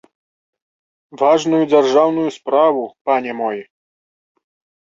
Важную дзяржаўную справу, пане мой!